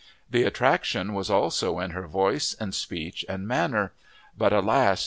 The attraction was also in her voice and speech and manner; but, alas!